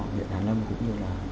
viện hàn lâm cũng như là